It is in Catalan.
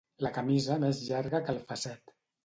La camisa més llarga que el fasset.